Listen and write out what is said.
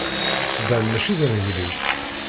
Dan maci d aneglus.